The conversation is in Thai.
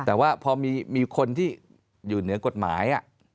แต่ว่าพอมีคนที่อยู่เหนือกฎหมาย